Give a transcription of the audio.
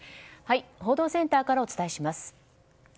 報道センターからお伝えします。